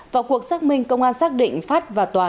vào cuộc xác minh công an xác định phát và toàn